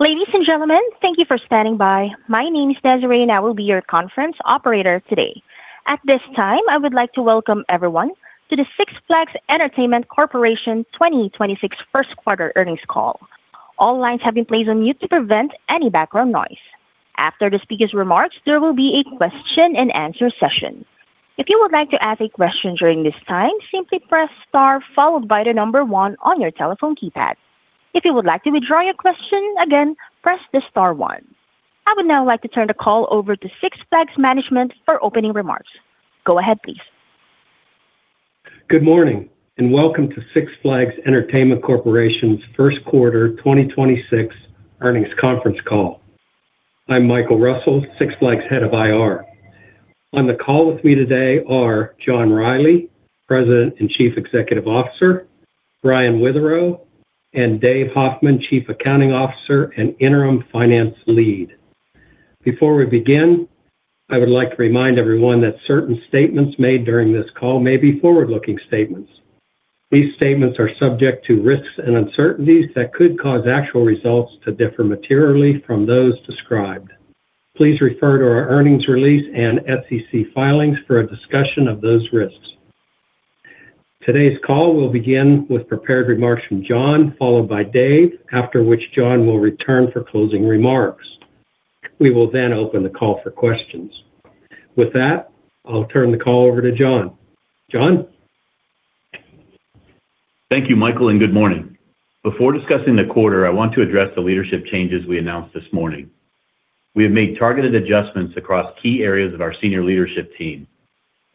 Ladies and gentlemen, thank you for standing by. My name is Desiree, and I will be your conference operator today. At this time, I would like to welcome everyone to the Six Flags Entertainment Corporation 2026 first quarter earnings call. All lines have been placed on mute to prevent any background noise. After the speaker's remarks, there will be a question and answer session. If you would like to ask a question during this time, simply press star followed by the number one on your telephone keypad. If you would like to withdraw your question, again, press the star one. I would now like to turn the call over to Six Flags management for opening remarks. Go ahead, please. Good morning, and welcome to Six Flags Entertainment Corporation's first quarter 2026 earnings conference call. I'm Michael Russell, Six Flags Head of IR. On the call with me today are John Reilly, President and Chief Executive Officer, Brian Witherow, and Dave Hoffman, Chief Accounting Officer and Interim Finance Lead. Before we begin, I would like to remind everyone that certain statements made during this call may be forward-looking statements. These statements are subject to risks and uncertainties that could cause actual results to differ materially from those described. Please refer to our earnings release and SEC filings for a discussion of those risks. Today's call will begin with prepared remarks from John, followed by Dave, after which John will return for closing remarks. We will then open the call for questions. With that, I'll turn the call over to John. John? Thank you, Michael, and good morning. Before discussing the quarter, I want to address the leadership changes we announced this morning. We have made targeted adjustments across key areas of our senior leadership team,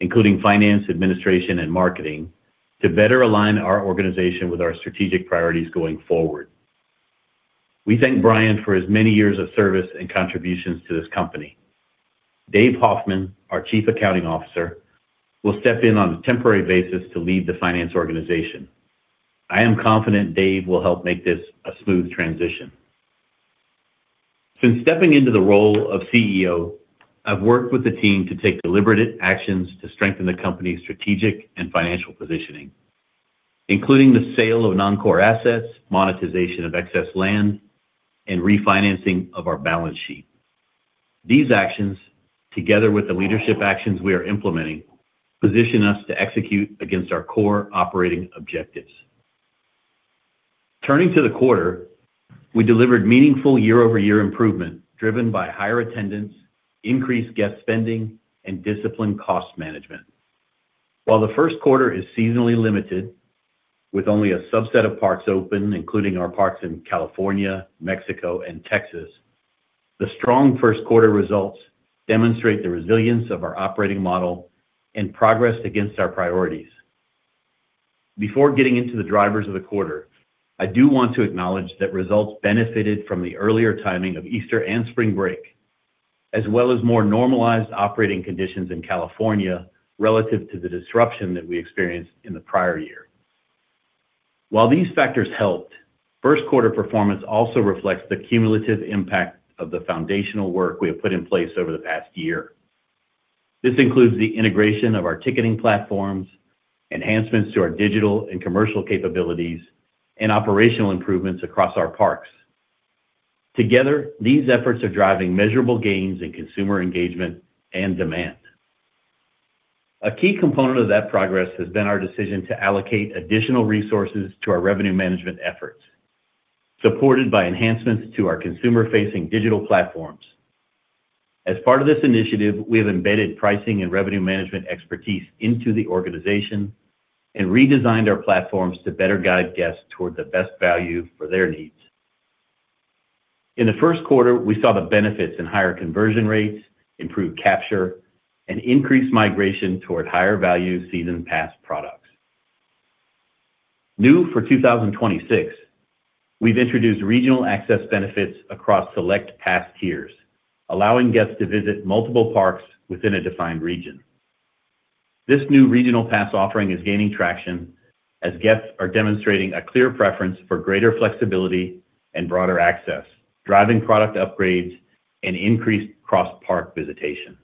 including finance, administration, and marketing, to better align our organization with our strategic priorities going forward. We thank Brian for his many years of service and contributions to this company. Dave Hoffman, our Chief Accounting Officer, will step in on a temporary basis to lead the finance organization. I am confident Dave will help make this a smooth transition. Since stepping into the role of CEO, I've worked with the team to take deliberative actions to strengthen the company's strategic and financial positioning, including the sale of non-core assets, monetization of excess land, and refinancing of our balance sheet. These actions, together with the leadership actions we are implementing, position us to execute against our core operating objectives. Turning to the quarter, we delivered meaningful year-over-year improvement driven by higher attendance, increased guest spending, and disciplined cost management. While the first quarter is seasonally limited, with only a subset of parks open, including our parks in California, Mexico, and Texas, the strong first quarter results demonstrate the resilience of our operating model and progress against our priorities. Before getting into the drivers of the quarter, I do want to acknowledge that results benefited from the earlier timing of Easter and spring break, as well as more normalized operating conditions in California relative to the disruption that we experienced in the prior year. While these factors helped, first quarter performance also reflects the cumulative impact of the foundational work we have put in place over the past year. This includes the integration of our ticketing platforms, enhancements to our digital and commercial capabilities, and operational improvements across our parks. Together, these efforts are driving measurable gains in consumer engagement and demand. A key component of that progress has been our decision to allocate additional resources to our revenue management efforts, supported by enhancements to our consumer-facing digital platforms. As part of this initiative, we have embedded pricing and revenue management expertise into the organization and redesigned our platforms to better guide guests toward the best value for their needs. In the first quarter, we saw the benefits in higher conversion rates, improved capture, and increased migration toward higher value Season Pass products. New for 2026, we've introduced regional access benefits across select pass tiers, allowing guests to visit multiple parks within a defined region. This new regional pass offering is gaining traction as guests are demonstrating a clear preference for greater flexibility and broader access, driving product upgrades and increased cross-park visitation.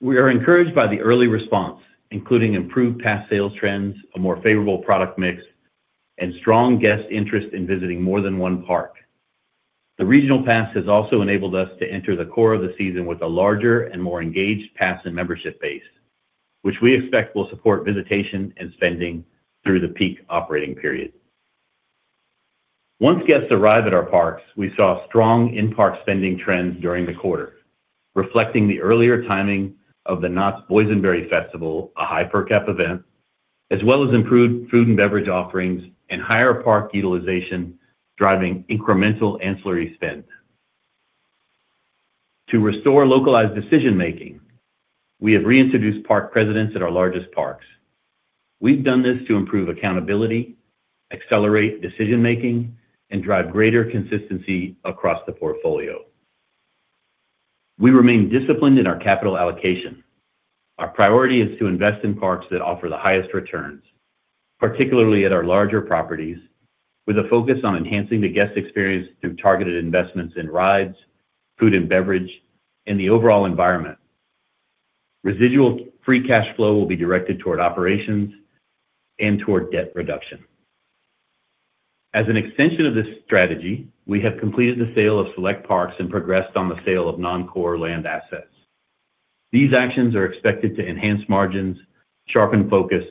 We are encouraged by the early response, including improved pass sales trends, a more favorable product mix, and strong guest interest in visiting more than one park. The regional pass has also enabled us to enter the core of the season with a larger and more engaged pass and membership base, which we expect will support visitation and spending through the peak operating period. Once guests arrive at our parks, we saw strong in-park spending trends during the quarter, reflecting the earlier timing of the Knott's Boysenberry Festival, a high per cap event, as well as improved food and beverage offerings and higher park utilization driving incremental ancillary spend. To restore localized decision-making, we have reintroduced park presidents at our largest parks. We've done this to improve accountability, accelerate decision-making, and drive greater consistency across the portfolio. We remain disciplined in our capital allocation. Our priority is to invest in parks that offer the highest returns, particularly at our larger properties, with a focus on enhancing the guest experience through targeted investments in rides, food and beverage, and the overall environment. Residual free cash flow will be directed toward operations and toward debt reduction. As an extension of this strategy, we have completed the sale of select parks and progressed on the sale of non-core land assets. These actions are expected to enhance margins, sharpen focus,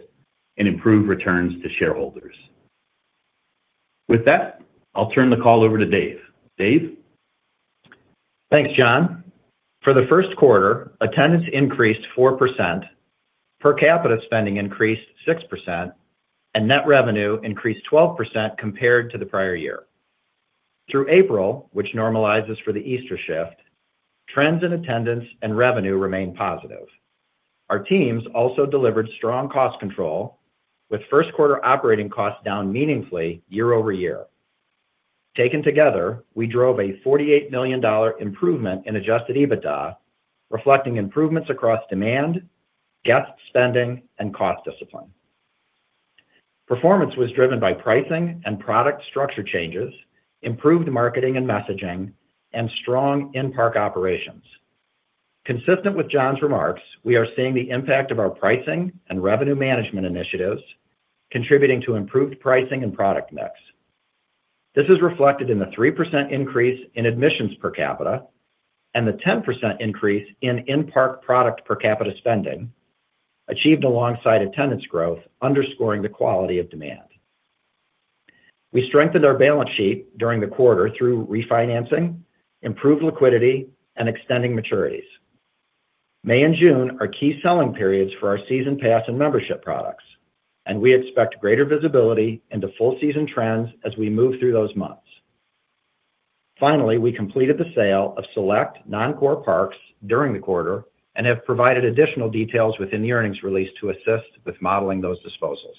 and improve returns to shareholders. With that, I'll turn the call over to Dave. Dave? Thanks, John. For the first quarter, attendance increased 4%, per capita spending increased 6%, and net revenue increased 12% compared to the prior year. Through April, which normalizes for the Easter shift, trends in attendance and revenue remain positive. Our teams also delivered strong cost control, with first quarter operating costs down meaningfully year-over-year. Taken together, we drove a $48 million improvement in adjusted EBITDA, reflecting improvements across demand, guest spending, and cost discipline. Performance was driven by pricing and product structure changes, improved marketing and messaging, and strong in-park operations. Consistent with John's remarks, we are seeing the impact of our pricing and revenue management initiatives contributing to improved pricing and product mix. This is reflected in the 3% increase in admissions per capita and the 10% increase in in-park product per capita spending, achieved alongside attendance growth, underscoring the quality of demand. We strengthened our balance sheet during the quarter through refinancing, improved liquidity, and extending maturities. May and June are key selling periods for our Season Pass and membership products, and we expect greater visibility into full season trends as we move through those months. Finally, we completed the sale of select non-core parks during the quarter and have provided additional details within the earnings release to assist with modeling those disposals.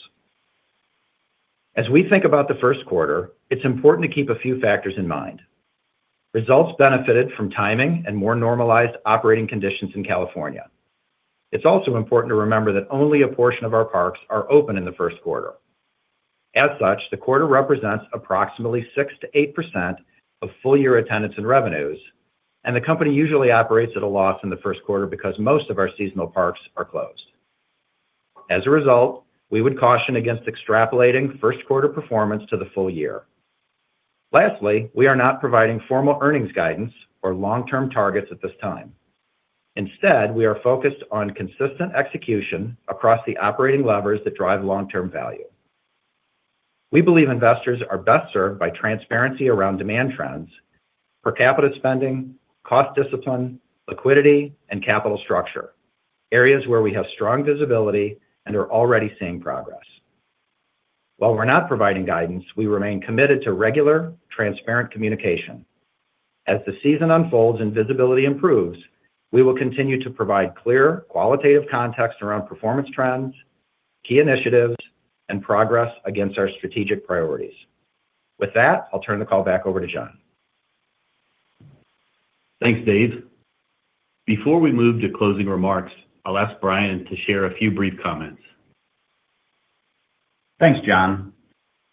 As we think about the first quarter, it's important to keep a few factors in mind. Results benefited from timing and more normalized operating conditions in California. It's also important to remember that only a portion of our parks are open in the first quarter. As such, the quarter represents approximately 6%-8% of full year attendance and revenues, and the company usually operates at a loss in the first quarter because most of our seasonal parks are closed. As a result, we would caution against extrapolating first quarter performance to the full year. Lastly, we are not providing formal earnings guidance or long-term targets at this time. Instead, we are focused on consistent execution across the operating levers that drive long-term value. We believe investors are best served by transparency around demand trends, per capita spending, cost discipline, liquidity, and capital structure, areas where we have strong visibility and are already seeing progress. While we're not providing guidance, we remain committed to regular, transparent communication. As the season unfolds and visibility improves, we will continue to provide clear, qualitative context around performance trends, key initiatives, and progress against our strategic priorities. With that, I'll turn the call back over to John. Thanks, Dave. Before we move to closing remarks, I'll ask Brian to share a few brief comments. Thanks, John.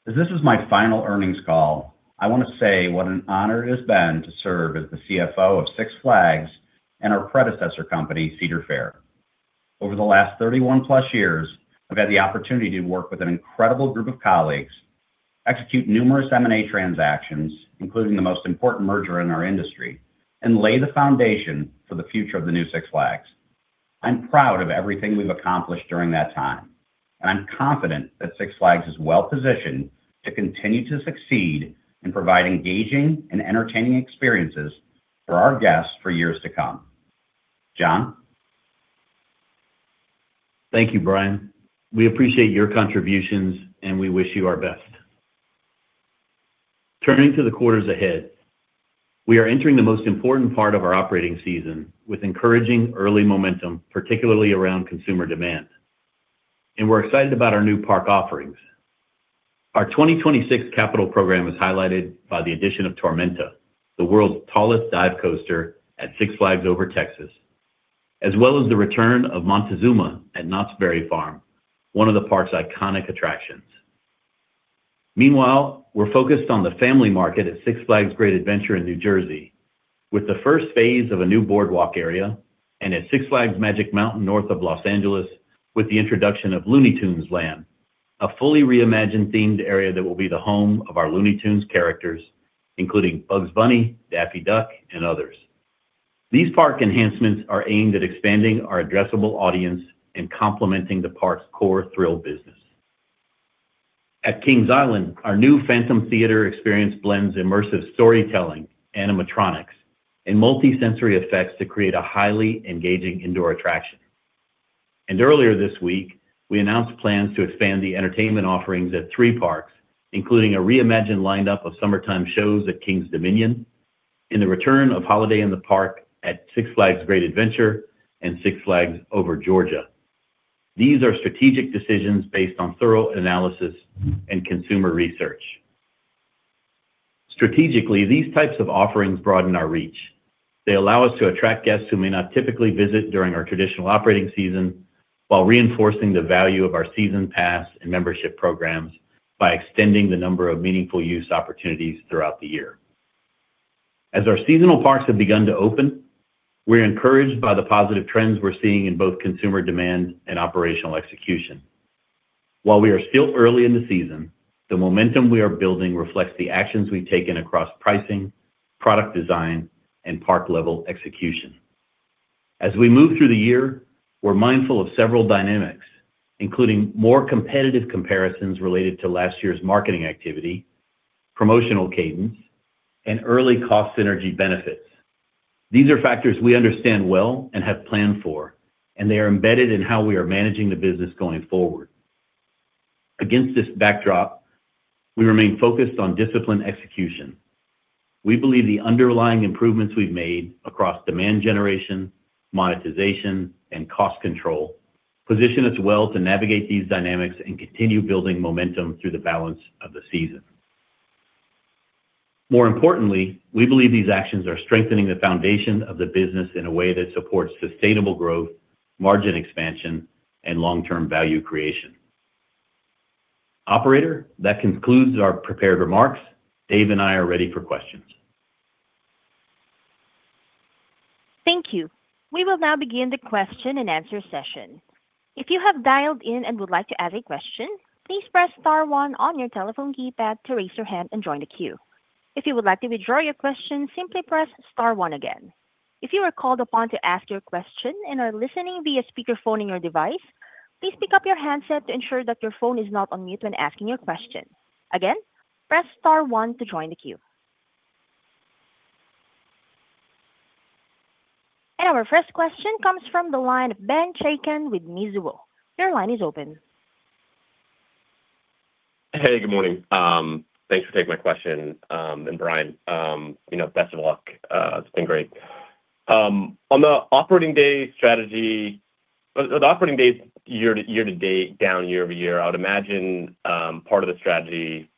As this is my final earnings call, I want to say what an honor it has been to serve as the CFO of Six Flags and our predecessor company, Cedar Fair. Over the last 31+ years, I've had the opportunity to work with an incredible group of colleagues, execute numerous M&A transactions, including the most important merger in our industry, and lay the foundation for the future of the new Six Flags. I'm proud of everything we've accomplished during that time, and I'm confident that Six Flags is well-positioned to continue to succeed in providing engaging and entertaining experiences for our guests for years to come. John? Thank you, Brian. We appreciate your contributions, and we wish you our best. Turning to the quarters ahead, we are entering the most important part of our operating season with encouraging early momentum, particularly around consumer demand, and we're excited about our new park offerings. Our 2026 capital program is highlighted by the addition of Tormenta, the world's tallest dive coaster, at Six Flags Over Texas, as well as the return of MonteZOOMa at Knott's Berry Farm, one of the park's iconic attractions. Meanwhile, we're focused on the family market at Six Flags Great Adventure in New Jersey with the first phase of a new boardwalk area, and at Six Flags Magic Mountain north of Los Angeles with the introduction of Looney Tunes Land, a fully reimagined themed area that will be the home of our Looney Tunes characters, including Bugs Bunny, Daffy Duck, and others. These park enhancements are aimed at expanding our addressable audience and complementing the park's core thrill business. At Kings Island, our new Phantom Theater experience blends immersive storytelling, animatronics, and multi-sensory effects to create a highly engaging indoor attraction. Earlier this week, we announced plans to expand the entertainment offerings at three parks, including a reimagined lineup of summertime shows at Kings Dominion, and the return of Holiday in the Park at Six Flags Great Adventure and Six Flags Over Georgia. These are strategic decisions based on thorough analysis and consumer research. Strategically, these types of offerings broaden our reach. They allow us to attract guests who may not typically visit during our traditional operating season while reinforcing the value of our Season Pass and membership programs by extending the number of meaningful use opportunities throughout the year. As our seasonal parks have begun to open, we're encouraged by the positive trends we're seeing in both consumer demand and operational execution. While we are still early in the season, the momentum we are building reflects the actions we've taken across pricing, product design, and park level execution. As we move through the year, we're mindful of several dynamics, including more competitive comparisons related to last year's marketing activity, promotional cadence, and early cost synergy benefits. These are factors we understand well and have planned for, and they are embedded in how we are managing the business going forward. Against this backdrop, we remain focused on disciplined execution. We believe the underlying improvements we've made across demand generation, monetization, and cost control position us well to navigate these dynamics and continue building momentum through the balance of the season. More importantly, we believe these actions are strengthening the foundation of the business in a way that supports sustainable growth, margin expansion, and long-term value creation. Operator, that concludes our prepared remarks. Dave and I are ready for questions. Thank you. We will now begin the question-and-answer session. Our first question comes from the line of Ben Chaiken with Mizuho. Your line is open. Hey, good morning. Thanks for taking my question. Brian, you know, best of luck, it's been great. On the operating day strategy, the operating days year-to-date, down year-over-year, I would imagine, that's part of the strategy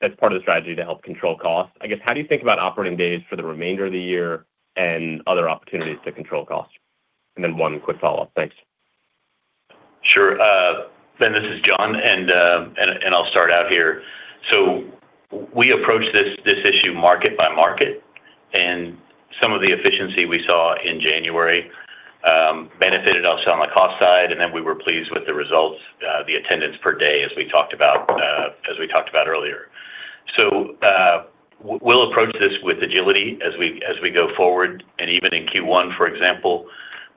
to help control costs. I guess, how do you think about operating days for the remainder of the year and other opportunities to control costs? Then one quick follow-up. Thanks. Sure. Ben, this is John. I'll start out here. We approach this issue market by market, and some of the efficiency we saw in January benefited us on the cost side, and then we were pleased with the results, the attendance per day, as we talked about earlier. We'll approach this with agility as we go forward. Even in Q1, for example,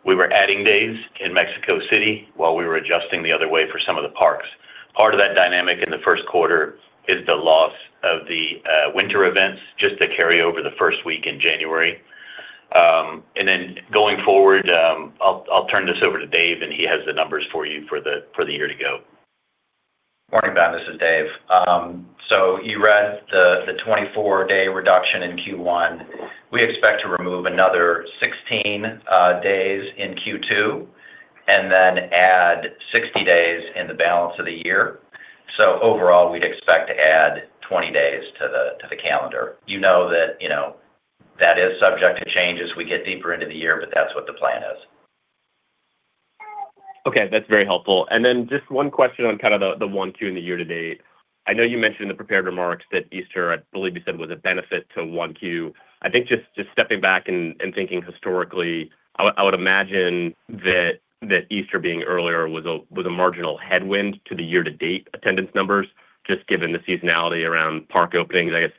we were adding days in Mexico City while we were adjusting the other way for some of the parks. Part of that dynamic in the first quarter is the loss of the winter events just to carry over the first week in January. Going forward, I'll turn this over to Dave, and he has the numbers for you for the, for the year to go. Morning, Ben, this is Dave. You read the 24-day reduction in Q1. We expect to remove another 16 days in Q2 and then add 60 days in the balance of the year. Overall, we'd expect to add 20 days to the, to the calendar. You know, that is subject to change as we get deeper into the year, but that's what the plan is. Okay, that's very helpful. Then just one question on kind of the 1Q and the year-to-date. I know you mentioned in the prepared remarks that Easter, I believe you said, was a benefit to 1Q. I think just stepping back and thinking historically, I would imagine that Easter being earlier was a marginal headwind to the year-to-date attendance numbers, just given the seasonality around park openings, I guess.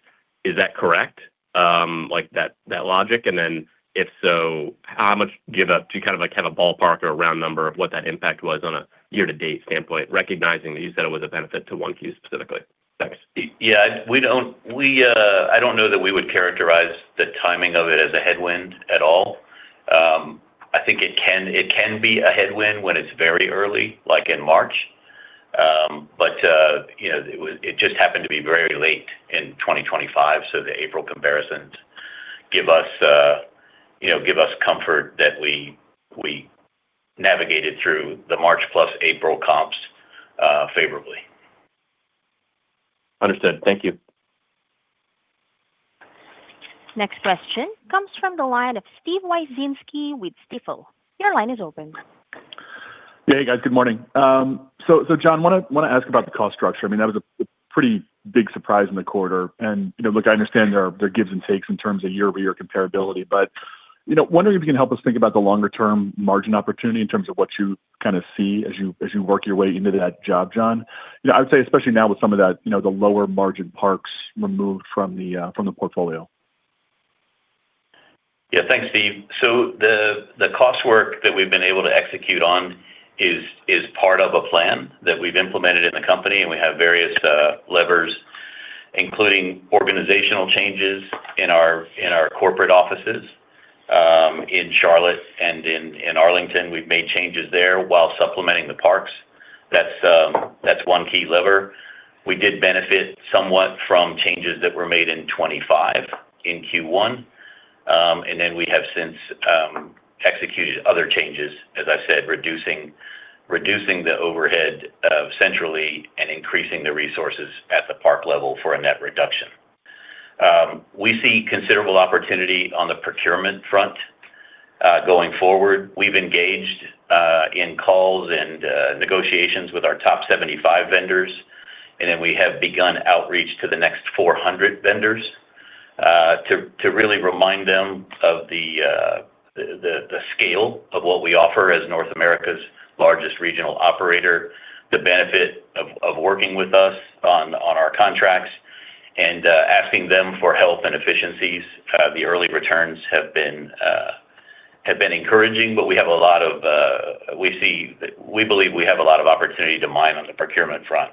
Is that correct? like that logic? Then if so, how much give up to kind of have a ballpark or a round number of what that impact was on a year-to-date standpoint, recognizing that you said it was a benefit to 1Q specifically. Thanks. Yeah, we don't know that we would characterize the timing of it as a headwind at all. I think it can be a headwind when it's very early, like in March. You know, it just happened to be very late in 2025, so the April comparisons give us, you know, give us comfort that we navigated through the March plus April comps favorably. Understood. Thank you. Next question comes from the line of Steve Wieczynski with Stifel. Your line is open. Yeah, hey, guys. Good morning. John, wanna ask about the cost structure. I mean, that was a pretty big surprise in the quarter. You know, look, I understand there are gives and takes in terms of year-over-year comparability. You know, wondering if you can help us think about the longer term margin opportunity in terms of what you kind of see as you, as you work your way into that job, John. You know, I would say especially now with some of that, you know, the lower margin parks removed from the portfolio. Yeah. Thanks, Steve. The cost work that we've been able to execute on is part of a plan that we've implemented in the company, and we have various levers, including organizational changes in our corporate offices in Charlotte and in Arlington. We've made changes there while supplementing the parks. That's one key lever. We did benefit somewhat from changes that were made in 2025, in Q1. We have since executed other changes, as I said, reducing the overhead centrally and increasing the resources at the park level for a net reduction. We see considerable opportunity on the procurement front. Going forward, we've engaged in calls and negotiations with our top 75 vendors, and then we have begun outreach to the next 400 vendors to really remind them of the scale of what we offer as North America's largest regional operator, the benefit of working with us on our contracts and asking them for help and efficiencies. The early returns have been encouraging, but we believe we have a lot of opportunity to mine on the procurement front.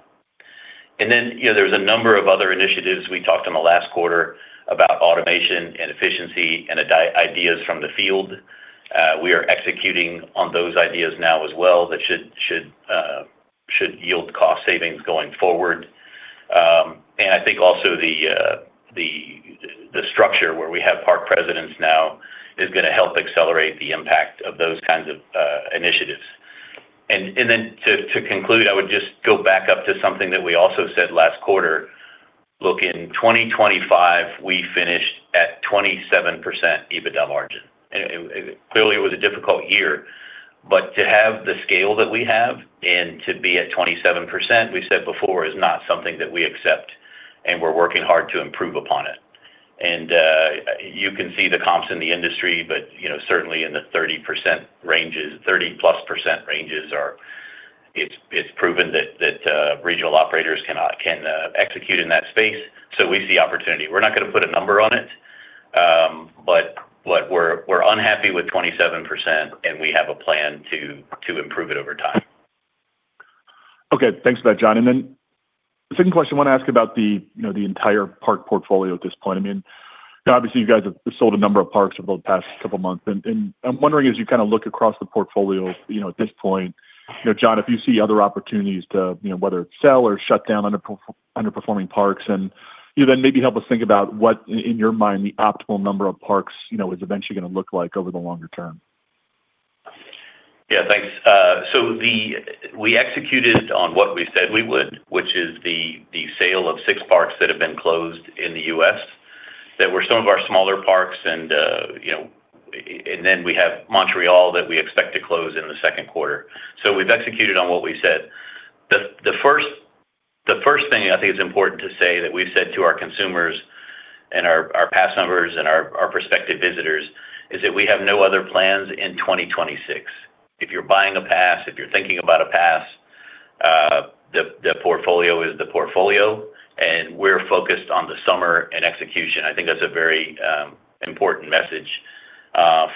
You know, there's a number of other initiatives. We talked on the last quarter about automation and efficiency and ideas from the field. We are executing on those ideas now as well that should yield cost savings going forward. I think also the structure where we have park presidents now is gonna help accelerate the impact of those kinds of initiatives. To conclude, I would just go back up to something that we also said last quarter. Look, in 2025, we finished at 27% EBITDA margin. Clearly it was a difficult year. But to have the scale that we have and to be at 27%, we said before, is not something that we accept, and we're working hard to improve upon it. You can see the comps in the industry, but you know, certainly in the 30% ranges, 30%+ ranges, it's proven that regional operators can execute in that space. We see opportunity. We're not gonna put a number on it, but what we're unhappy with 27%, and we have a plan to improve it over time. Okay. Thanks for that, John. The second question I wanna ask about the, you know, the entire park portfolio at this point. I mean, obviously, you guys have sold a number of parks over the past couple of months. I'm wondering, as you kinda look across the portfolio, you know, at this point, you know, John, if you see other opportunities to, you know, whether it's sell or shut down underperforming parks. Maybe help us think about what, in your mind, the optimal number of parks, you know, is eventually gonna look like over the longer term. Thanks. We executed on what we said we would, which is the sale of six parks that have been closed in the U.S. that were some of our smaller parks and, you know. We have Montreal that we expect to close in the second quarter. We've executed on what we said. The first thing I think is important to say that we've said to our consumers and our pass members and our prospective visitors is that we have no other plans in 2026. If you're buying a pass, if you're thinking about a pass, the portfolio is the portfolio, and we're focused on the summer and execution. I think that's a very important message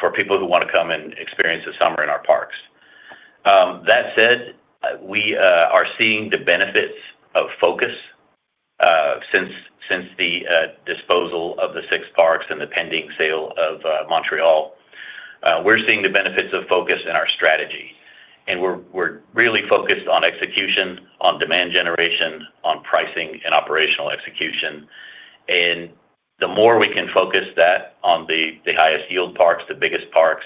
for people who wanna come and experience the summer in our parks. That said, we are seeing the benefits of focus since the disposal of the six parks and the pending sale of Montreal. We're seeing the benefits of focus in our strategy, and we're really focused on execution, on demand generation, on pricing and operational execution. The more we can focus that on the highest yield parks, the biggest parks,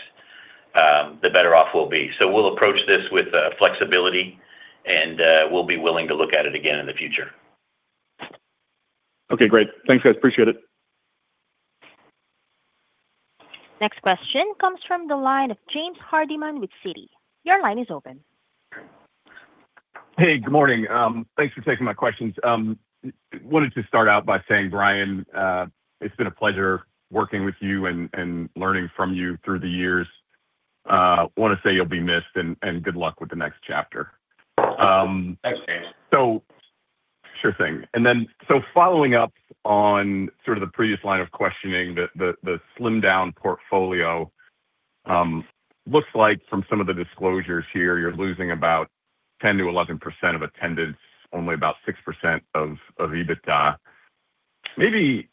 the better off we'll be. We'll approach this with flexibility, and we'll be willing to look at it again in the future. Okay, great. Thanks, guys. Appreciate it. Next question comes from the line of James Hardiman with Citi. Your line is open. Hey, good morning. Thanks for taking my questions. Wanted to start out by saying, Brian, it's been a pleasure working with you and learning from you through the years. Wanna say you'll be missed, and good luck with the next chapter. Thanks, James. Sure thing. Following up on sort of the previous line of questioning, the slimmed-down portfolio, looks like from some of the disclosures here, you're losing about 10%-11% of attendance, only about 6% of EBITDA. Maybe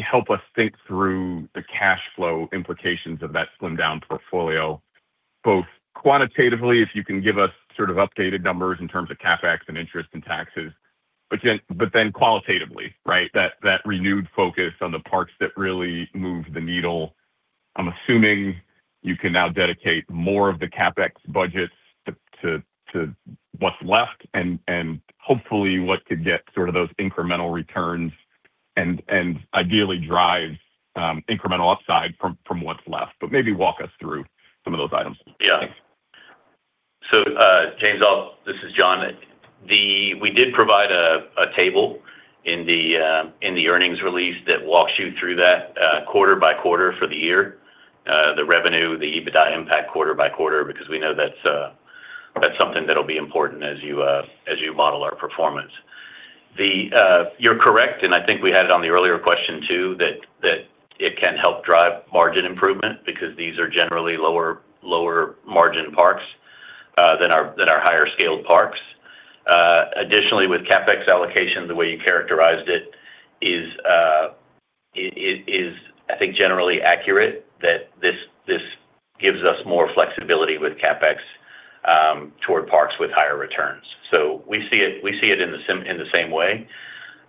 help us think through the cash flow implications of that slimmed-down portfolio, both quantitatively, if you can give us sort of updated numbers in terms of CapEx and interest and taxes, but then qualitatively, right? That renewed focus on the parks that really move the needle. I'm assuming you can now dedicate more of the CapEx budgets to what's left and hopefully what could get sort of those incremental returns and ideally drive incremental upside from what's left. Maybe walk us through some of those items. James, this is John. We did provide a table in the earnings release that walks you through that quarter by quarter for the year, the revenue, the EBITDA impact quarter by quarter, because we know that's something that'll be important as you model our performance. You're correct, and I think we had it on the earlier question too, that it can help drive margin improvement because these are generally lower margin parks than our higher scaled parks. Additionally, with CapEx allocation, the way you characterized it is, I think, generally accurate that this gives us more flexibility with CapEx toward parks with higher returns. We see it, we see it in the same way.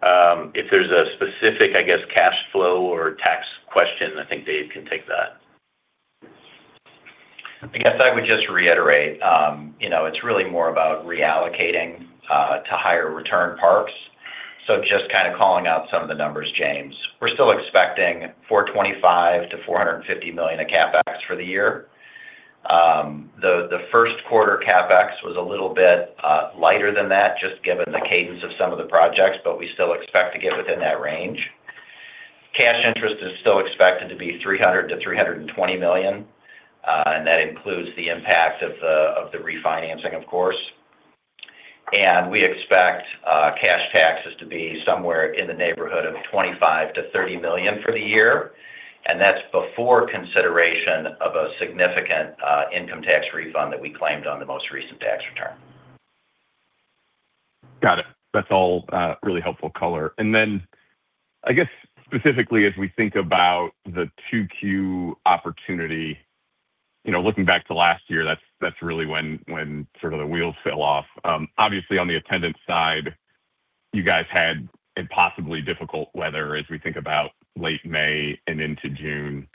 If there's a specific, I guess, cash flow or tax question, I think Dave can take that. I guess I would just reiterate, you know, it's really more about reallocating to higher return parks. Just kinda calling out some of the numbers, James. We're still expecting $425 million-$450 million of CapEx for the year. The first quarter CapEx was a little bit lighter than that, just given the cadence of some of the projects, but we still expect to get within that range. Cash interest is still expected to be $300 million-$320 million, and that includes the impact of the refinancing, of course. We expect cash taxes to be somewhere in the neighborhood of $25 million-$30 million for the year, and that's before consideration of a significant income tax refund that we claimed on the most recent tax return. Got it. That's all really helpful color. Then I guess specifically as we think about the 2Q opportunity, you know, looking back to last year, that's really when sort of the wheels fell off. Obviously on the attendance side, you guys had impossibly difficult weather as we think about late May and into June.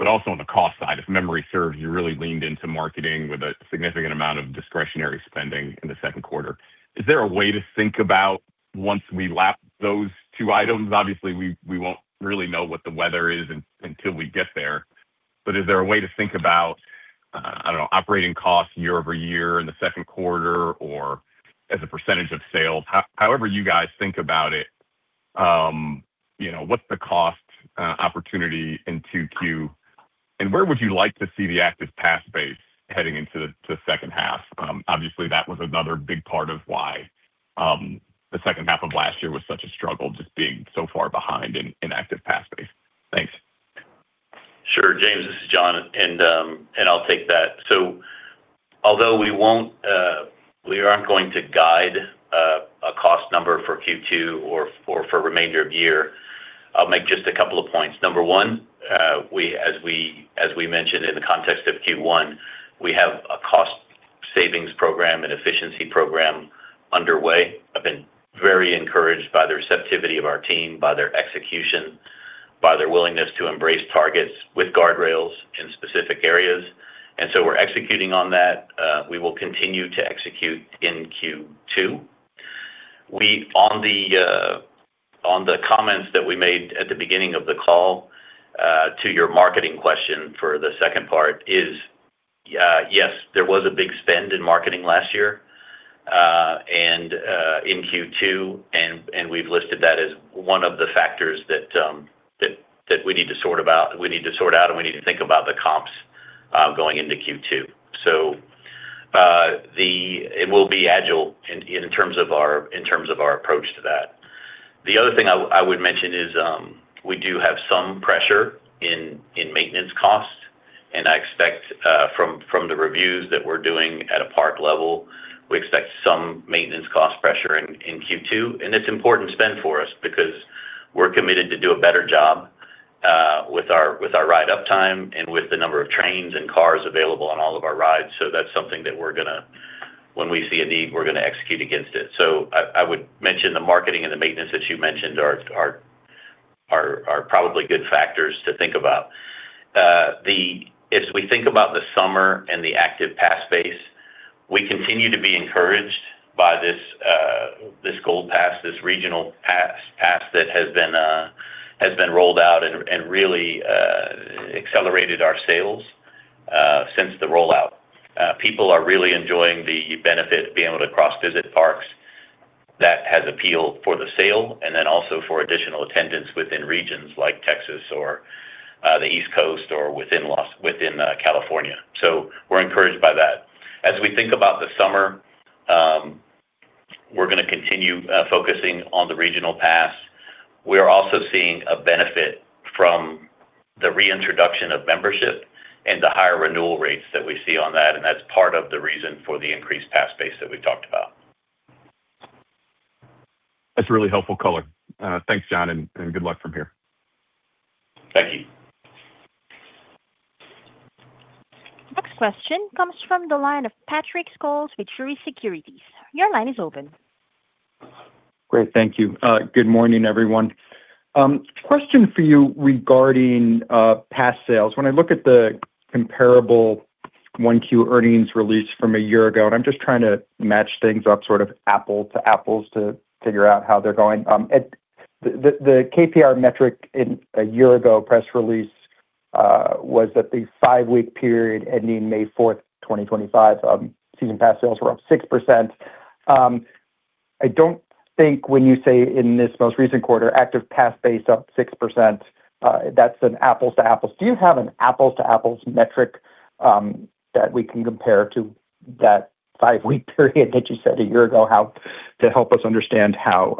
Also on the cost side, if memory serves, you really leaned into marketing with a significant amount of discretionary spending in the second quarter. Is there a way to think about once we lap those two items? Obviously, we won't really know what the weather is until we get there. Is there a way to think about, I don't know, operating costs year-over-year in the second quarter or as a percentage of sales? However you guys think about it, you know, what's the cost opportunity in 2Q? Where would you like to see the active pass base heading into the second half? Obviously that was another big part of why the second half of last year was such a struggle, just being so far behind in active pass base. Thanks. Sure. James, this is John. I'll take that. Although we won't, we aren't going to guide a cost number for Q2 or for remainder of year, I'll make just a couple of points. Number one, as we mentioned in the context of Q1, we have a cost savings program and efficiency program underway. I've been very encouraged by the receptivity of our team, by their execution, by their willingness to embrace targets with guardrails in specific areas. We're executing on that. We will continue to execute in Q2. On the comments that we made at the beginning of the call, to your marketing question for the second part is, yes, there was a big spend in marketing last year, and in Q2. We've listed that as one of the factors that we need to sort out and we need to think about the comps going into Q2. It will be agile in terms of our approach to that. The other thing I would mention is we do have some pressure in maintenance costs. I expect from the reviews that we're doing at a park level, we expect some maintenance cost pressure in Q2. It's important spend for us because we're committed to do a better job with our ride-up time and with the number of trains and cars available on all of our rides. That's something that we're gonna When we see a need, we're gonna execute against it. I would mention the marketing and the maintenance that you mentioned are probably good factors to think about. If we think about the summer and the active pass base, we continue to be encouraged by this Gold Pass, this regional pass that has been rolled out and really accelerated our sales since the rollout. People are really enjoying the benefit of being able to cross-visit parks. That has appeal for the sale and then also for additional attendance within regions like Texas or the East Coast or within California. We're encouraged by that. As we think about the summer, we're gonna continue focusing on the regional pass. We are also seeing a benefit from the reintroduction of membership and the higher renewal rates that we see on that. That's part of the reason for the increased pass base that we talked about. That's really helpful color. Thanks, John, and good luck from here. Thank you. Next question comes from the line of Patrick Scholes with Truist Securities. Your line is open. Great. Thank you. Good morning, everyone. Question for you regarding pass sales. When I look at the comparable 1Q earnings release from a year ago, I'm just trying to match things up sort of apple to apples to figure out how they're going. The KPI metric in a year ago press release was that the five-week period ending May 4th, 2025, season pass sales were up 6%. I don't think when you say in this most recent quarter, active pass base up 6%, that's an apples to apples. Do you have an apples to apples metric that we can compare to that five-week period that you said a year ago to help us understand how?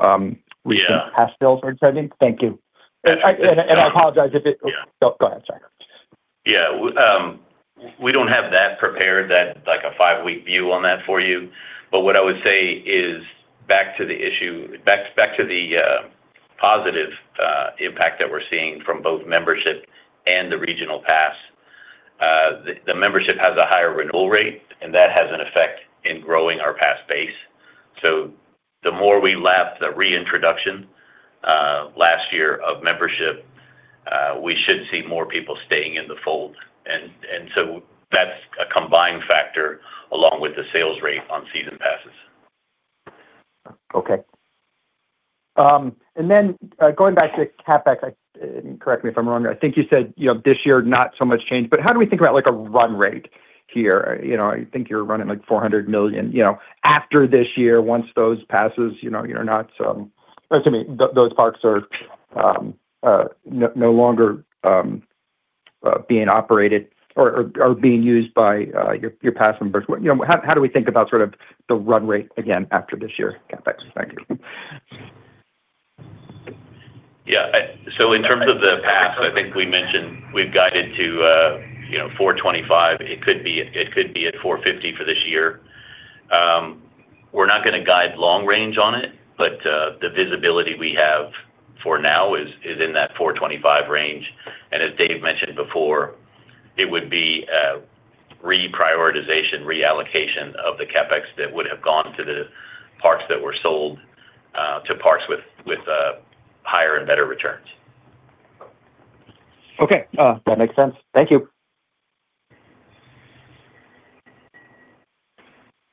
Yeah Pass sales are trending? Thank you. Yeah. I apologize. Yeah. Oh, go ahead, sorry. Yeah. We don't have that prepared, that like a five-week view on that for you. What I would say is back to the positive impact that we're seeing from both membership and the regional pass. The membership has a higher renewal rate, and that has an effect in growing our pass base. The more we lap the reintroduction of membership, we should see more people staying in the fold. That's a combined factor along with the sales rate on Season Passes. Okay. Going back to CapEx, correct me if I'm wrong here. I think you said, you know, this year not so much change. How do we think about, like, a run rate here? You know, I think you're running, like, $400 million. You know, after this year, once those passes, you know, you're not. Excuse me. Those parks are no longer being operated or are being used by your pass members. You know, how do we think about sort of the run rate again after this year CapEx? Thank you. Yeah. So in terms of the pass, I think we mentioned we've guided to, you know, $425 million. It could be at $450 million for this year. We're not gonna guide long range on it, but the visibility we have for now is in that $425 million range. As Dave mentioned before, it would be reprioritization, reallocation of the CapEx that would have gone to the parks that were sold, to parks with higher and better returns. Okay. That makes sense. Thank you.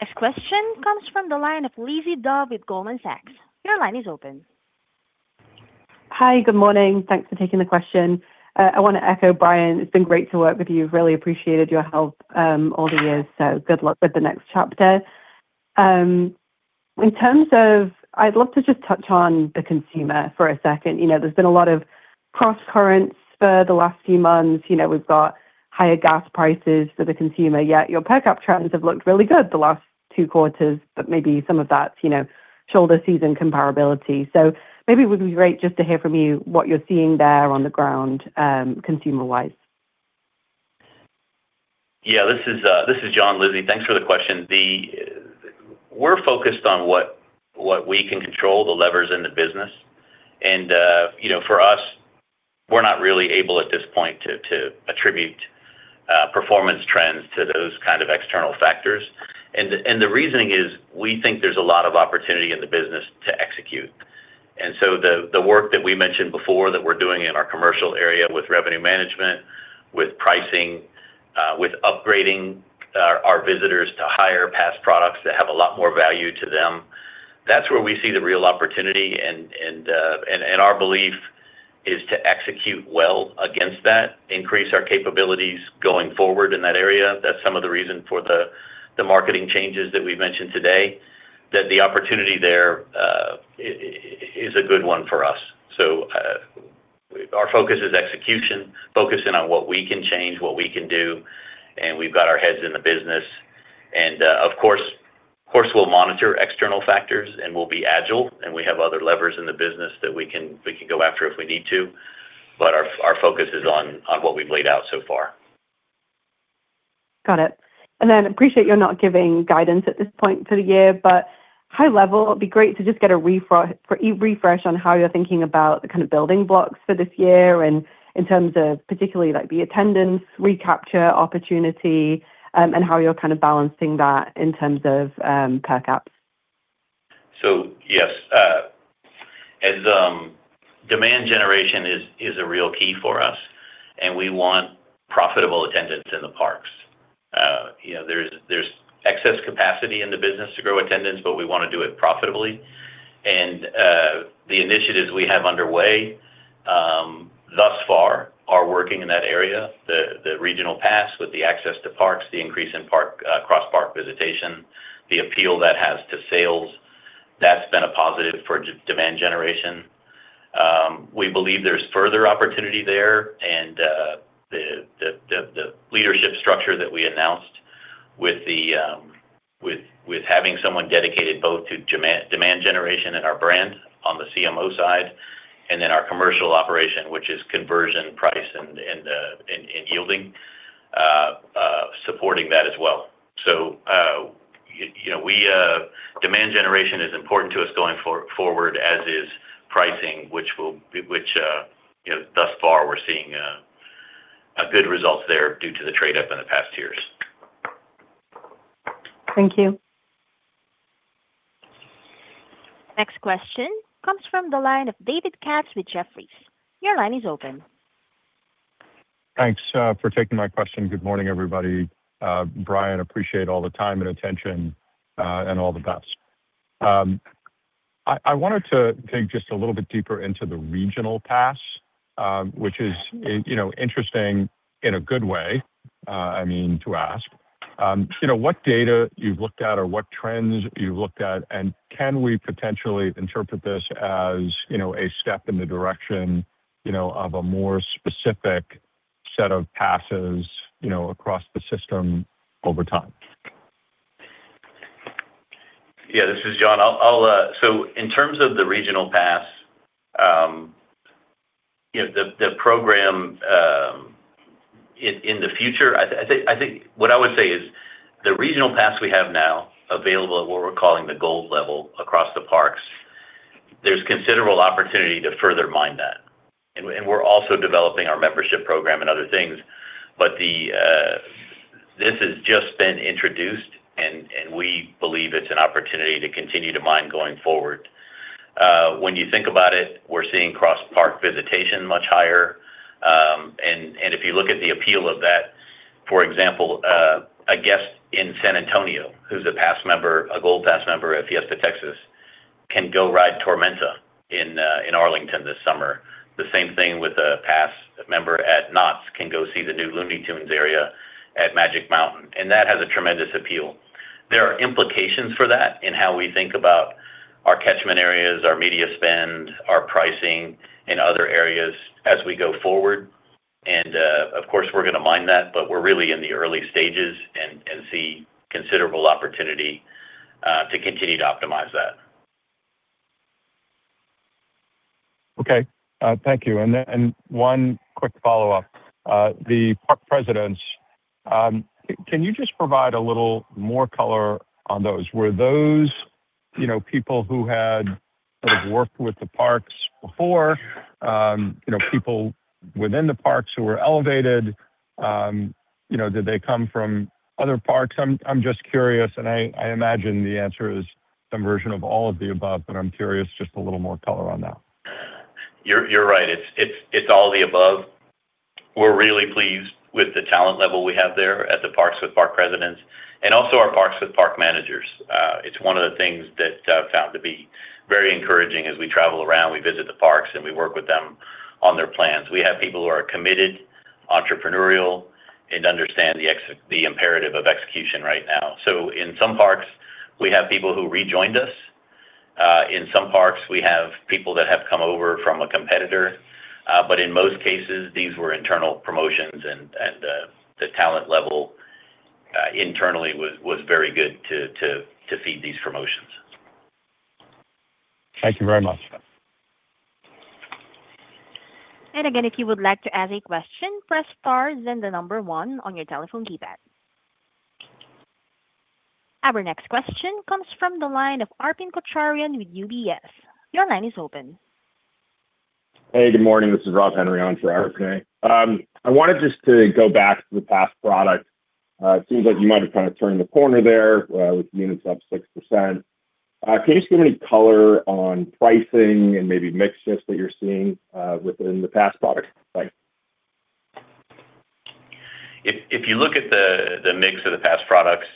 Next question comes from the line of Lizzie Dove with Goldman Sachs. Your line is open. Hi. Good morning. Thanks for taking the question. I wanna echo Brian. It's been great to work with you. Really appreciated your help all the years, so good luck with the next chapter. In terms of I'd love to just touch on the consumer for a second. You know, there's been a lot of cross currents for the last few months. You know, we've got higher gas prices for the consumer, yet your per cap trends have looked really good the last two quarters, but maybe some of that's, you know, shoulder season comparability. Maybe it would be great just to hear from you what you're seeing there on the ground, consumer-wise. This is John, Lizzie. Thanks for the question. We're focused on what we can control, the levers in the business. You know, for us, we're not really able at this point to attribute performance trends to those kind of external factors. The reasoning is we think there's a lot of opportunity in the business to execute. The work that we mentioned before that we're doing in our commercial area with revenue management, with pricing, with upgrading our visitors to higher pass products that have a lot more value to them, that's where we see the real opportunity. Our belief is to execute well against that, increase our capabilities going forward in that area. That's some of the reason for the marketing changes that we've mentioned today, that the opportunity there is a good one for us. Our focus is execution, focusing on what we can change, what we can do, and we've got our heads in the business. Of course, we'll monitor external factors, and we'll be agile, and we have other levers in the business that we can go after if we need to, but our focus is on what we've laid out so far. Got it. Appreciate you're not giving guidance at this point for the year, but high level, it'd be great to just get a refresh on how you're thinking about the kind of building blocks for this year and in terms of particularly, like, the attendance recapture opportunity, and how you're kind of balancing that in terms of per caps. Yes. Demand generation is a real key for us, and we want profitable attendance in the parks. You know, there's excess capacity in the business to grow attendance, but we want to do it profitably. The initiatives we have underway thus far are working in that area. The regional pass with the access to parks, the increase in park cross-park visitation, the appeal that has to sales, that's been a positive for demand generation. We believe there's further opportunity there, and the leadership structure that we announced with having someone dedicated both to demand generation and our brand on the CMO side and then our commercial operation, which is conversion price and yielding supporting that as well. You know, Demand generation is important to us going forward as is pricing, which, you know, thus far we're seeing, a good results there due to the trade-up in the past years. Thank you. Next question comes from the line of David Katz with Jefferies. Your line is open. Thanks for taking my question. Good morning, everybody. Brian, appreciate all the time and attention and all the best. I wanted to dig just a little bit deeper into the regional pass, which is, you know, interesting in a good way, I mean, to ask. You know, what data you've looked at or what trends you've looked at, and can we potentially interpret this as, you know, a step in the direction, you know, of a more specific set of passes, you know, across the system over time? Yeah. This is John. I'll. In terms of the regional pass, you know, the program in the future I think what I would say is the regional pass we have now available at what we're calling the gold level across the parks, there's considerable opportunity to further mine that. We're also developing our membership program and other things. This has just been introduced, and we believe it's an opportunity to continue to mine going forward. When you think about it, we're seeing cross park visitation much higher. And if you look at the appeal of that, for example, a guest in San Antonio who's a pass member, a Gold Pass member at Fiesta Texas, can go ride Tormenta in Arlington this summer. The same thing with a pass member at Knott's can go see the new Looney Tunes area at Magic Mountain. That has a tremendous appeal. There are implications for that in how we think about our catchment areas, our media spend, our pricing in other areas as we go forward. Of course, we're gonna mine that, but we're really in the early stages and see considerable opportunity to continue to optimize that. Okay. thank you. One quick follow-up. The park presidents, can you just provide a little more color on those? Were those, you know, people who had sort of worked with the parks before, you know, people within the parks who were elevated? you know, did they come from other parks? I'm just curious, and I imagine the answer is some version of all of the above, but I'm curious, just a little more color on that. You're right. It's all of the above. We're really pleased with the talent level we have there at the parks with park presidents and also our parks with park managers. It's one of the things that I've found to be very encouraging as we travel around, we visit the parks, and we work with them on their plans. We have people who are committed, entrepreneurial, and understand the imperative of execution right now. In some parks, we have people who rejoined us. In some parks, we have people that have come over from a competitor. In most cases, these were internal promotions, and the talent level internally was very good to feed these promotions. Thank you very much. Our next question comes from the line of Arpine Kocharian with UBS. Hey, good morning. This is Rob Henry on for Arpine. I wanted just to go back to the pass product. It seems like you might have kind of turned the corner there, with units up 6%. Can you just give any color on pricing and maybe mix shifts that you're seeing, within the pass product? Thanks. If you look at the mix of the pass products,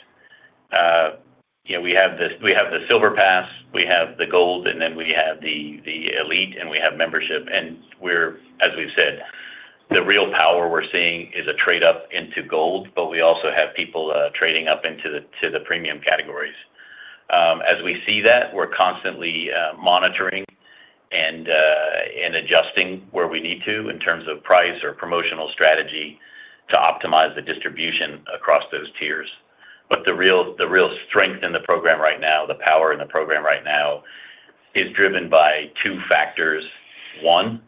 you know, we have the Silver Pass, we have the Gold, and then we have the Elite, and we have membership. As we've said, the real power we're seeing is a trade-up into Gold, but we also have people trading up into the premium categories. As we see that, we're constantly monitoring and adjusting where we need to in terms of price or promotional strategy to optimize the distribution across those tiers. The real strength in the program right now, the power in the program right now is driven by two factors. One,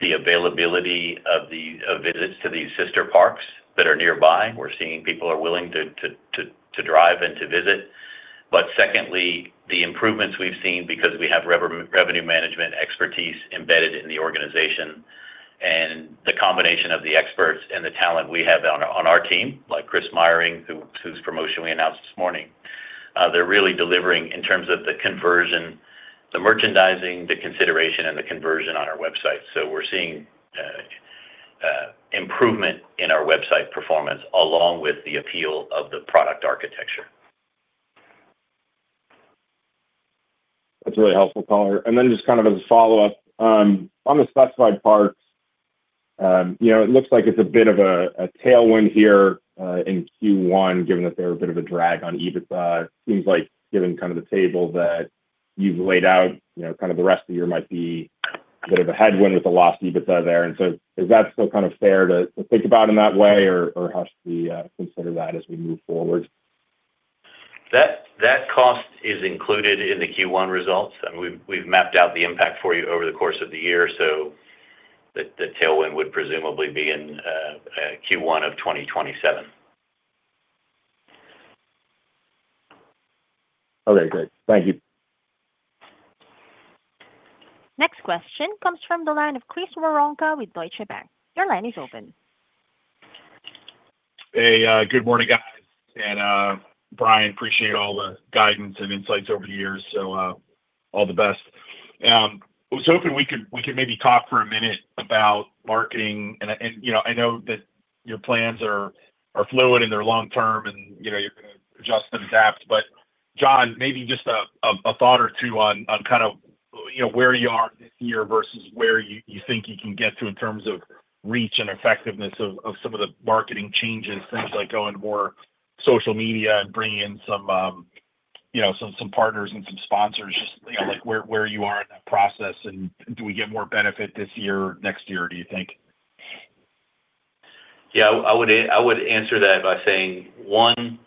the availability of the visits to these sister parks that are nearby. We're seeing people are willing to drive and to visit. Secondly, the improvements we've seen because we have revenue management expertise embedded in the organization and the combination of the experts and the talent we have on our team, like Chris Meyering, whose promotion we announced this morning. They're really delivering in terms of the conversion, the merchandising, the consideration, and the conversion on our website. We're seeing improvement in our website performance along with the appeal of the product architecture. That's a really helpful color. Just kind of as a follow-up, on the specified parts, you know, it looks like it's a bit of a tailwind here, in Q1, given that they're a bit of a drag on EBITDA. It seems like given kind of the table that you've laid out, you know, kind of the rest of the year might be a bit of a headwind with the lost EBITDA there. Is that still kind of fair to think about in that way or how should we consider that as we move forward? That cost is included in the Q1 results, and we've mapped out the impact for you over the course of the year. The tailwind would presumably be in Q1 of 2027. Okay, good. Thank you. Next question comes from the line of Chris Woronka with Deutsche Bank. Your line is open. Good morning, guys. Brian, appreciate all the guidance and insights over the years. All the best. I was hoping we could maybe talk for a minute about marketing. You know, I know that your plans are fluid and they're long term and, you know, you're gonna adjust and adapt. John, maybe just a thought or two on kind of, you know, where you are this year versus where you think you can get to in terms of reach and effectiveness of some of the marketing changes, things like going more social media and bringing in some, you know, some partners and some sponsors. Just, you know, like where you are in that process and do we get more benefit this year or next year, do you think? Yeah, I would answer that by saying, one,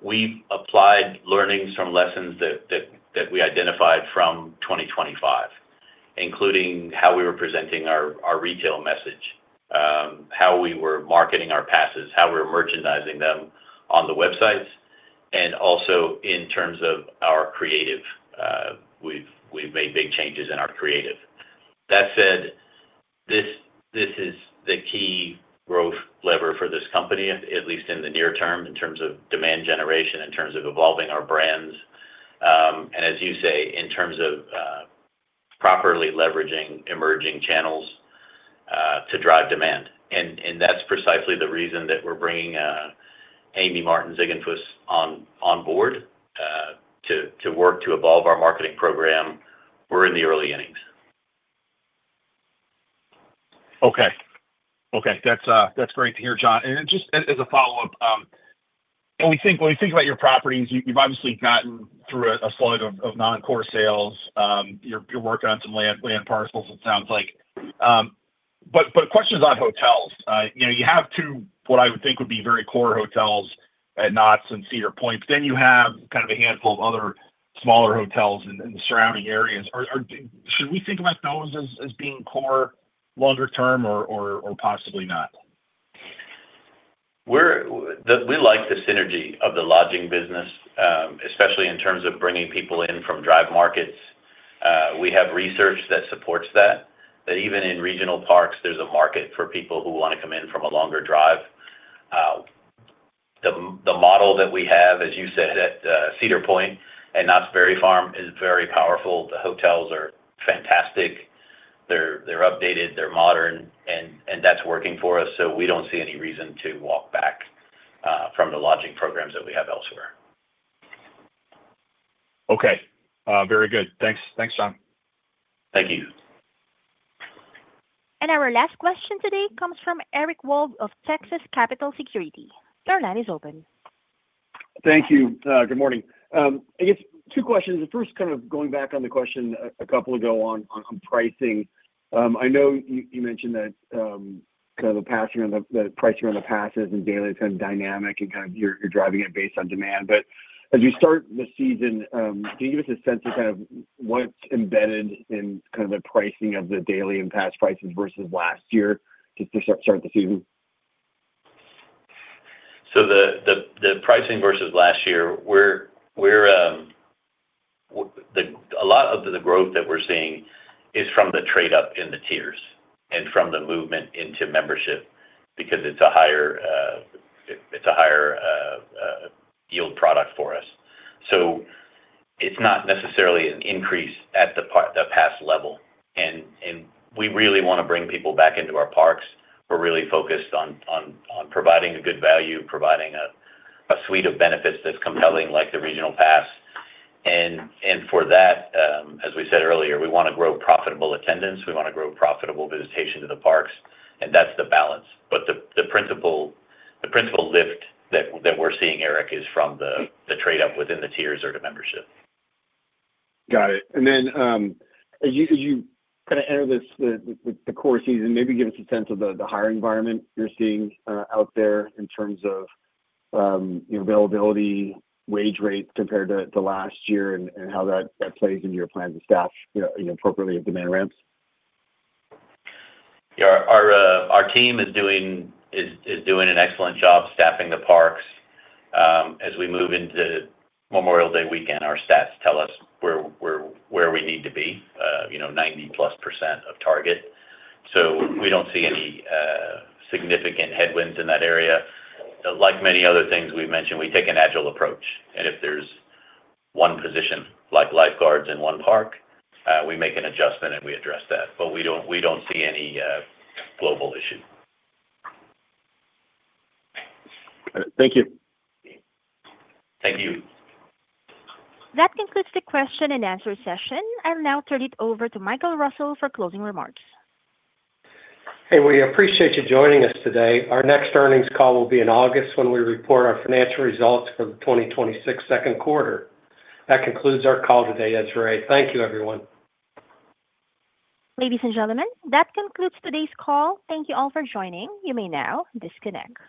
we've applied learnings from lessons that we identified from 2025, including how we were presenting our retail message, how we were marketing our passes, how we were merchandising them on the websites, and also in terms of our creative. We've made big changes in our creative. That said, this is the key growth lever for this company, at least in the near term, in terms of demand generation, in terms of evolving our brands, and as you say, in terms of properly leveraging emerging channels to drive demand. That's precisely the reason that we're bringing Amy Martin Ziegenfuss on board to work to evolve our marketing program. We're in the early innings. Okay. Okay. That's great to hear, John. Just as a follow-up, when we think about your properties, you've obviously gotten through a slug of non-core sales. You're working on some land parcels it sounds like. But questions on hotels. You know, you have two, what I would think would be very core hotels at Knott's and Cedar Point, but then you have kind of a handful of other smaller hotels in the surrounding areas. Should we think about those as being core longer term or possibly not? We like the synergy of the lodging business, especially in terms of bringing people in from drive markets. We have research that supports that even in regional parks, there's a market for people who wanna come in from a longer drive. The model that we have, as you said, at Cedar Point and Knott's Berry Farm is very powerful. The hotels are fantastic. They're updated, they're modern, and that's working for us. We don't see any reason to walk back from the lodging programs that we have elsewhere. Okay. very good. Thanks. Thanks, John. Thank you. Our last question today comes from Eric Wold of Texas Capital Securities. Your line is open. Thank you. Good morning. I guess two questions. The first kind of going back on the question a couple ago on pricing. I know you mentioned that kind of the passing of the pricing on the passes and daily is kind of dynamic and you're driving it based on demand. As you start the season, can you give us a sense of kind of what's embedded in kind of the pricing of the daily and pass prices versus last year to start the season? The pricing versus last year, a lot of the growth that we're seeing is from the trade up in the tiers and from the movement into membership because it's a higher yield product for us. It's not necessarily an increase at the pass level. We really wanna bring people back into our parks. We're really focused on providing a good value, providing a suite of benefits that's compelling, like the regional pass. For that, as we said earlier, we wanna grow profitable attendance. We wanna grow profitable visitation to the parks, and that's the balance. The principal lift that we're seeing, Eric, is from the trade up within the tiers or to membership. Got it. As you kinda enter this, the core season, maybe give us a sense of the hiring environment you're seeing out there in terms of, you know, availability, wage rates compared to last year and how that plays into your plans to staff, you know, appropriately as demand ramps? Yeah. Our team is doing an excellent job staffing the parks. As we move into Memorial Day weekend, our stats tell us where we need to be, you know, 90%+ of target. We don't see any significant headwinds in that area. Like many other things we've mentioned, we take an agile approach, and if there's one position like lifeguards in one park, we make an adjustment and we address that, but we don't see any global issue. All right. Thank you. Thank you. That concludes the question and answer session. I'll now turn it over to Michael Russell for closing remarks. Hey, we appreciate you joining us today. Our next earnings call will be in August when we report our financial results for the 2026 second quarter. That concludes our call today. That's right. Thank you, everyone. Ladies and gentlemen, that concludes today's call. Thank you all for joining. You may now disconnect.